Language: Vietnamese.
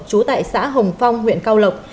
chú tại xã hồng phong huyện cao lộc